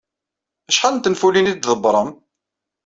Acḥal n tenfulin ay d-tḍebbrem?